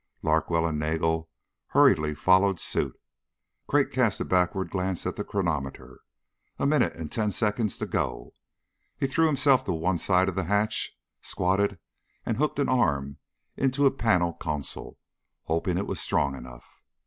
Larkwell and Nagel hurriedly followed suit. Crag cast a backward glance at the chronometer a minute and ten seconds to go! He threw himself to one side of the hatch, squatted and hooked an arm into a panel console, hoping it was strong enough.